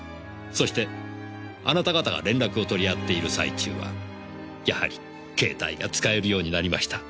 そしてあなた方が連絡を取り合っている最中はやはり携帯が使えるようになりました。